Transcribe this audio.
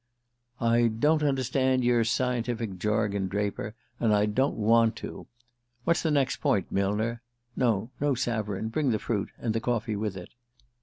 "I don't understand your scientific jargon, Draper; and I don't want to. What's the next point, Millner? (No; no savarin. Bring the fruit and the coffee with it.)"